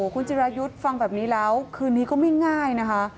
คุณจิรายุทธ์ฟังแบบนี้แล้วคืนนี้ก็ไม่ง่ายนะคะ